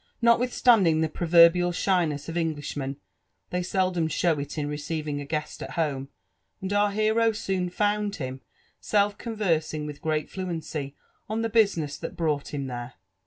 Nolwi(hs(anding the proverbial shyness of Englishmen, they seldom show It in receiving a guest at home ; and our hero soon found him self conversing with great fluency on (he business (hat brought him (here.